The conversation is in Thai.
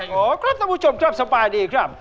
ขอครับท่านผู้ชมครับสบายดีครับ